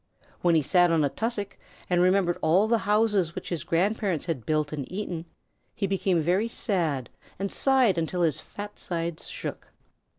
When he sat on a tussock and remembered all the houses which his grandparents had built and eaten, he became very sad and sighed until his fat sides shook.